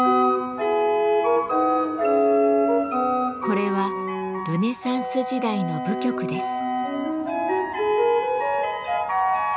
これはルネサンス時代の舞曲です。